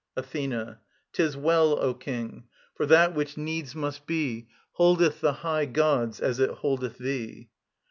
ATHENA. 'Tis well, O King. For that which needs must be Holdeth the high gods as it holdeth thee.